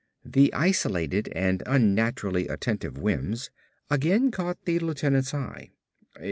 The isolated and unnaturally attentive Wims again caught the lieutenant's eye.